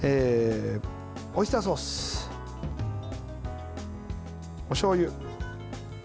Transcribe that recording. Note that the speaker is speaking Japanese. オイスターソースおしょうゆ。